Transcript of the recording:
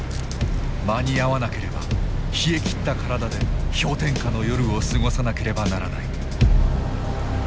間に合わなければ冷えきった体で氷点下の夜を過ごさなければならない。